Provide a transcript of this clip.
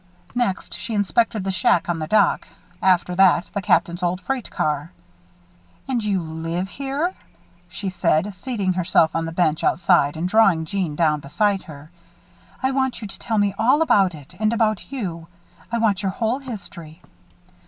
Next, she inspected the shack on the dock; after that, the Captain's old freight car. "And you live here!" she said, seating herself on the bench outside and drawing Jeanne down beside her. "I want you to tell me all about it and about you. I want your whole history."